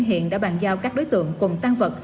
hiện đã bàn giao các đối tượng cùng tăng vật